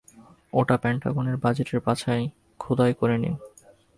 ওটা পেন্টাগনের বাজেটের পাছায় খোদাই করে নিন!